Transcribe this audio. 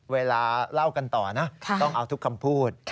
เวลาเล่ากันต่อนะต้องเอาทุกคำพูด